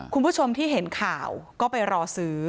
คุณผู้ชมที่เห็นข่าวก็ไปรอซื้อ